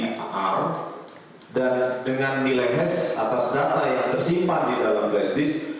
atas data yang didalam dpr dan dengan nilai hash atas data yang tersimpan didalam flash disk